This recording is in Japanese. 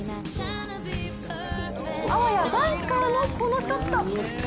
あわやバンカーのこのショット。